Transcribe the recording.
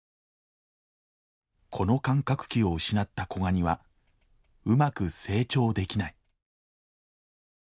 この感覚器を失った子ガニはうまく成長できない。